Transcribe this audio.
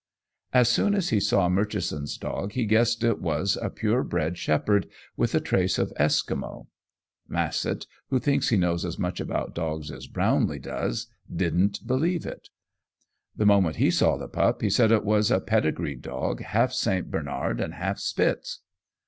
As soon as he saw Murchison's dog he guessed it was a pure bred Shepherd with a trace of Eskimo. Massett, who thinks he knows as much about dogs as Brownlee does, didn't believe it. The moment he saw the pup he said it was a pedigree dog, half St. Bernard and half Spitz.